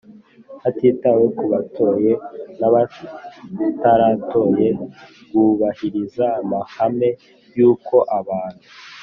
hatitawe ku batoye n abataratoye Bwubahiriza amahame y uko abantu